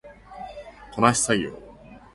こなし作業